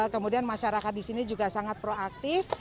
kemudian masyarakat disini juga sangat proaktif